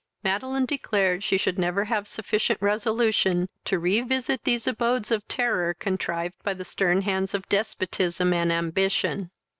Madeline declared she should never have sufficient resolution to re visit these abodes of terror, contrived by the stern hands of despotism and ambition.